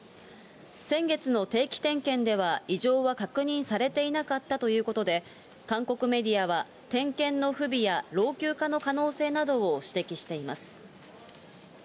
先月の定期点検では、異常は確認されていなかったということで、韓国メディアは、点検の不備や、老朽化の可能性などを指摘しています。